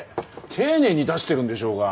丁寧に出してるんでしょうが！